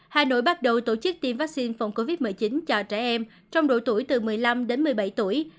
hà nội bắt đầu tổ chức tiêm vaccine phòng covid một mươi chín cho trẻ em trong độ tuổi từ một mươi năm đến một mươi bảy tuổi